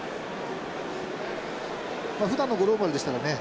ふだんの五郎丸でしたらね